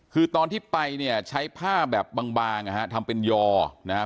คือตอนที่ไปเนี่ยใช้ผ้าแบบบางนะฮะทำเป็นยอนะครับ